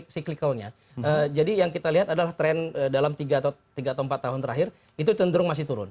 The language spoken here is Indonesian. cyclicalnya jadi yang kita lihat adalah tren dalam tiga atau tiga atau empat tahun terakhir itu cenderung masih turun